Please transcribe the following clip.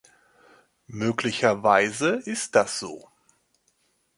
Möglicherweise ist das so.